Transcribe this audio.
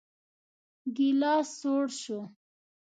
ګيلاس سوړ شو.